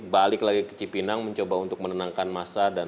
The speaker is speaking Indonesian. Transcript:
balik lagi ke cipinang mencoba untuk menenangkan massa